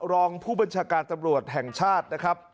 รองผู้บัญชาการตำรวจแห่งชาตินะครับ